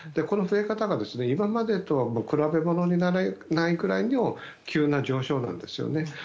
この増え方が今までとは比べ物にならないくらいの急な上昇なんですよね。